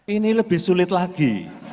ini lebih sulit lagi